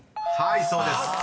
［はいそうです。